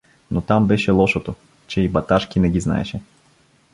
Но там беше лошото, че и Баташки не ги знаеше.